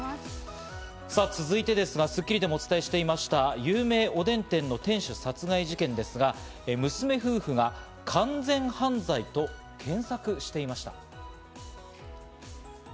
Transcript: さぁ続いてですが、『スッキリ』でもお伝えしていました有名おでん店の店主殺害事件ですが、娘夫婦が「完全犯罪」と検索していました。